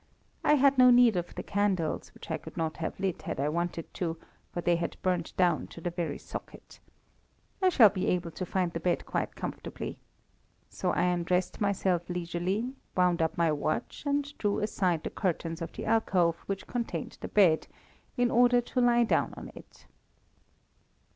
I had no need of the candles, which I could not have lit had I wanted to, for they had burnt down to the very socket. I shall be able to find the bed quite comfortably. So I undressed myself leisurely, wound up my watch, and drew aside the curtains of the alcove which contained the bed, in order to lie down on it.